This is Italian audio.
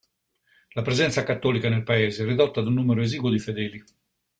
La presenza cattolica nel Paese è ridotta ad un numero esiguo di fedeli.